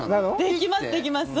できます、できます。